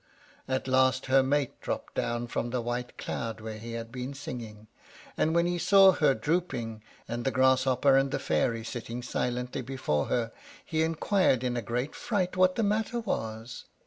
At last her mate dropped down from the white cloud where he had been singing, and when he saw her drooping, and the Grasshopper and the Fairy sitting silently before her, he inquired in a great fright what the matter was.